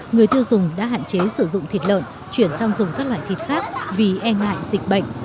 người tiêu dùng đã hạn chế sử dụng thịt lợn chuyển sang dùng các loại thịt khác vì e ngại dịch bệnh